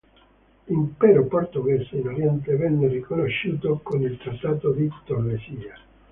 L'impero portoghese in Oriente venne riconosciuto con il Trattato di Tordesillas.